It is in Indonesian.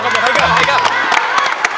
ya semangat buat haikal